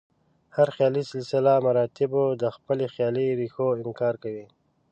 هر خیالي سلسله مراتبو د خپلو خیالي ریښو انکار کوي.